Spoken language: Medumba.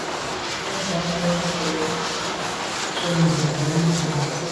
Shutnyàm be bole, ntshob nzenze ndù.